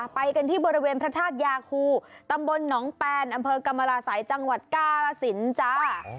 ไปกันที่บริเวณพระธาตุยาคูตำบลหนองแปนอำเภอกรรมราศัยจังหวัดกาลสินจ้า